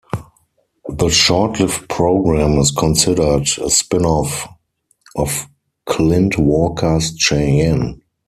The short-lived program is considered a spin-off of Clint Walker's "Cheyenne".